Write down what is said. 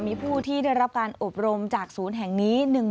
มีผู้ที่ได้รับการอบรมจากศูนย์แห่งนี้